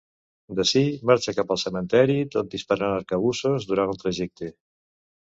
D'ací marxa cap al cementeri, tot disparant arcabussos durant el trajecte.